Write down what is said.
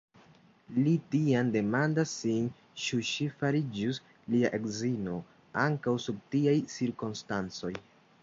Li tiam demandas sin, ĉu ŝi fariĝus lia edzino ankaŭ sub tiaj cirkonstancoj.